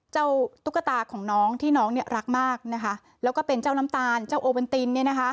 ตุ๊กตาของน้องที่น้องเนี่ยรักมากนะคะแล้วก็เป็นเจ้าน้ำตาลเจ้าโอเวนตินเนี่ยนะคะ